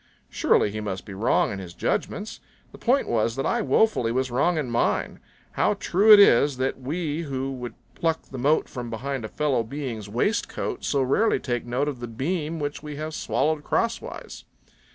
Surely he must be wrong in his judgments. The point was that I woefully was wrong in mine. How true it is that we who would pluck the mote from behind a fellow being's waistcoat so rarely take note of the beam which we have swallowed crosswise!